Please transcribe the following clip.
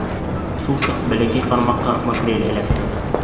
Шул саҡ бәләкәй ҡармаҡҡа макрель эләкте.